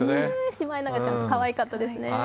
シマエナガちゃんもかわいかったですね。